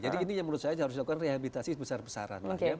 jadi ini yang menurut saya harus dilakukan rehabilitasi besar besaran